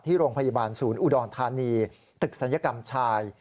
ที่โรงพยาบาลศูนย์อุดรธานีตึกศัลยกรรมชาย